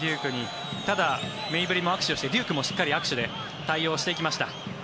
ただ、メイブリも握手をしてデュークもしっかり握手で対応していきました。